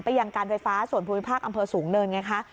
ยังการไฟฟ้าส่วนภูมิภาคอำเภอสูงเนินไงคะ